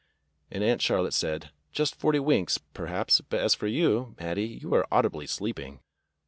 And Aunt Charlotte said, "Just forty winks, per haps, but as for you, Mattie, you were audibly sleeping."